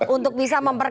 untuk bisa memperkuat